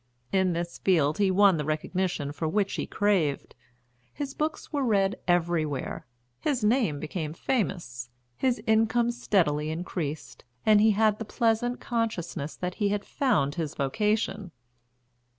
In this field he won the recognition for which he craved; his books were read everywhere, his name became famous, his income steadily increased, and he had the pleasant consciousness that he had found his vocation.